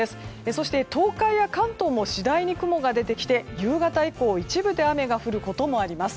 そして、東海や関東も次第に雲が出てきて夕方以降一部で雨が降ることもあります。